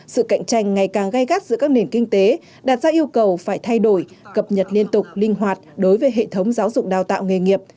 sự cạnh tranh ngày càng gai gắt giữa các nền kinh tế đạt ra yêu cầu phải thay đổi cập nhật liên tục linh hoạt đối với hệ thống giáo dục đào tạo nghề nghiệp